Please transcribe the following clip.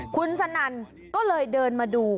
คุณสนั่นก็เลยเดินมาดู